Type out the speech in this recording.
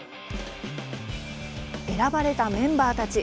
選ばれたメンバーたち。